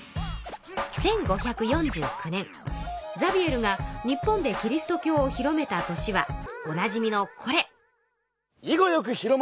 １５４９年ザビエルが日本でキリスト教を広めた年はおなじみのこれ。